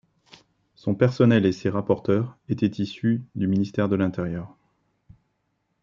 Son personnel et ses rapporteurs étaient issus du ministère de l'Intérieur.